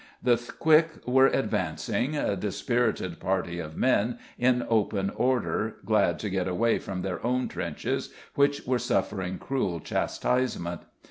The quick were advancing, a dispirited party of men, in open order, glad to get away from their own trenches, which were suffering cruel chastisement.